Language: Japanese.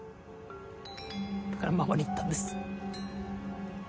だからママに言ったんです。